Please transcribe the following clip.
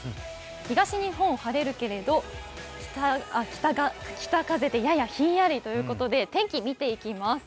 東日本、晴れるけれど北風でややひんやりということで天気見ていきます。